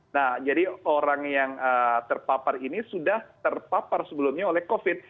nah jadi orang yang terpapar ini sudah terpapar sebelumnya oleh covid